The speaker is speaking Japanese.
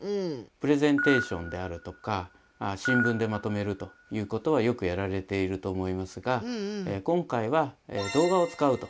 プレゼンテーションであるとか新聞でまとめるということはよくやられていると思いますが今回は動画を使うと。